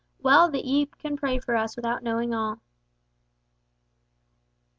Well that ye can pray for us without knowing all!"